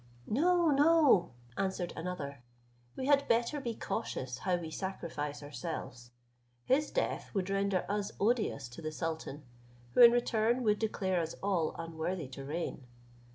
"No, no," answered another; "we had better be cautious how we sacrifice ourselves. His death would render us odious to the sultan, who in return would declare us all unworthy to reign.